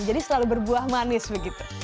jadi selalu berbuah manis begitu